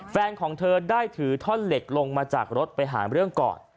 แฟนของเธอได้ถือท่อนเหล็กลงมาจากรถไปหาเรื่องก่อน